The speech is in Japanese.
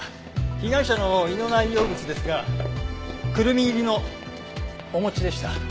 被害者の胃の内容物ですがクルミ入りのお餅でした。